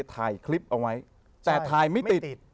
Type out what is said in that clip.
ถ่ายไม่ติด